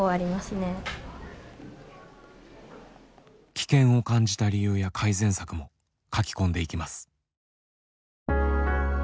危険を感じた理由や改善策も書き込んでいきます。